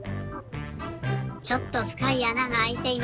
ちょっとふかいあながあいています。